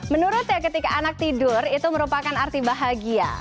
menurutnya ketika anak tidur itu merupakan arti bahagia